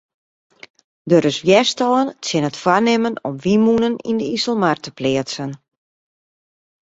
Der is wjerstân tsjin it foarnimmen om wynmûnen yn de Iselmar te pleatsen.